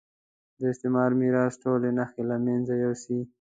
د استعماري میراث ټولې نښې له مېنځه یوسي.